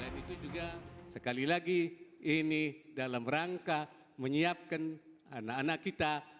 selain itu juga sekali lagi ini dalam rangka menyiapkan anak anak kita